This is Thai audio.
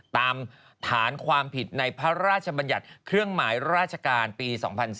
ตามฐานความผิดในพระราชบัญญัติเครื่องหมายราชการปี๒๔